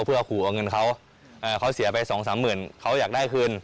เพื่อขู่เอาเงินเขาเขาเสียไปสองสามหมื่นเขาอยากได้คืน